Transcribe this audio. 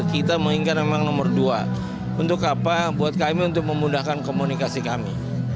kita mengingat memang nomor dua untuk apa buat kami untuk memudahkan komunikasi kami